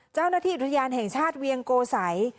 เจ้าหน้าที่อุทยานแห่งชาติเวียงโกสัย